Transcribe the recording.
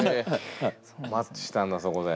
マッチしたんだそこで。